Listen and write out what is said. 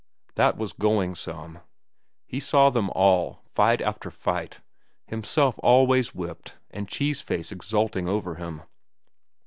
That was going some. He saw them all, fight after fight, himself always whipped and Cheese Face exulting over him.